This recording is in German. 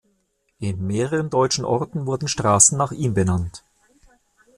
In mehreren deutschen Orten wurden Straßen nach ihm benannt.